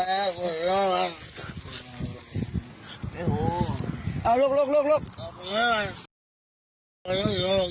เอาลูกลูกลูกลูก